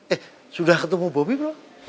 eh sudah ketemu bobby belum